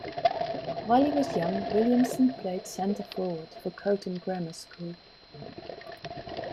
While he was young, Williamson played centre-forward for Coatham Grammar School.